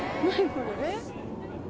これ。